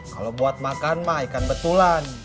kalau buat makan mah ikan betulan